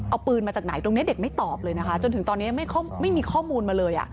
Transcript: เอาปืนมาจากไหนตรงนี้เด็กไม่ตอบเลยนะคะจนถึงตอนนี้ยังไม่มีข้อมูลมาเลย